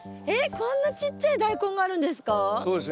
こんなちっちゃいダイコンがあるんですか？